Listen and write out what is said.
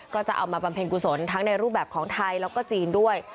ก็จะเอามาบำเพ็ญกุศลทั้งในรูปแบบของไทยแล้วก็จีนด้วย